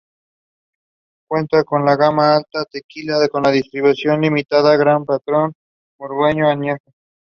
Cuenta con una gama alta de tequila con distribución limitada "Gran Patrón Burdeos Añejo".